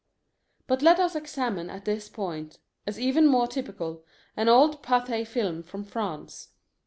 But let us examine at this point, as even more typical, an old Pathé Film from France.